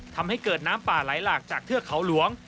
ทำให้เกิดน้ำป่าไหลหลากจากเทือกเขาหลวง